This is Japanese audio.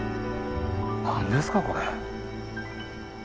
何ですかこれ。